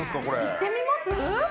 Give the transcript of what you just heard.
行ってみます？